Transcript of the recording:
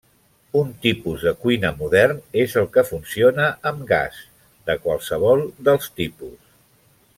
Un tipus de cuina modern és el que funciona amb gas, de qualsevol dels tipus.